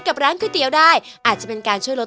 กับร้านก๋วยเตี๋ยวได้อาจจะเป็นการช่วยลด